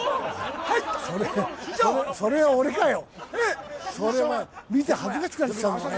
それは、俺かよ。